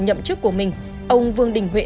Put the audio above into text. nhậm chức của mình ông vương đình huệ